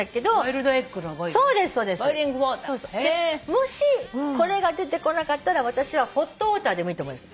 もしこれが出てこなかったら私は「ｈｏｔｗａｔｅｒ」でもいいと思います。